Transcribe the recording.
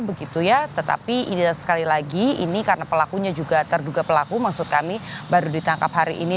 begitu ya tetapi sekali lagi ini karena pelakunya juga terduga pelaku maksud kami baru ditangkap hari ini